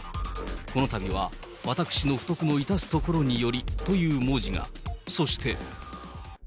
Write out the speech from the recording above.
このたびは私の不徳の致すところによりという文字が。